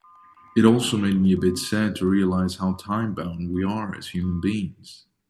It also made me a bit sad to realize how time-bound we are as human beings.